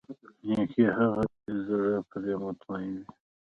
نېکي هغه ده چې زړه پرې مطمئن وي.